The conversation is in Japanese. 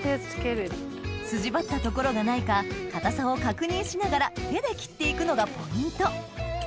筋張った所がないか硬さを確認しながら手で切っていくのがポイント